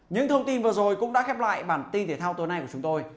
những thông tin vừa rồi cũng đã khép lại bản tin thể thao tối nay của chúng tôi